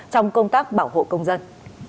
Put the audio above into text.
trong công tác bảo hộ công dân